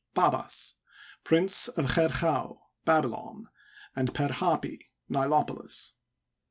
Pabas, Prince of Cherchau (Babylon) and Per^ Hdpi (Nilopolis).